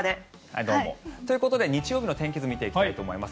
ということで日曜日の天気図を見ていきたいと思います。